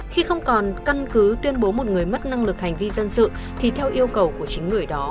khi không còn căn cứ tuyên bố một người mất năng lực hành vi dân sự thì theo yêu cầu của chính người đó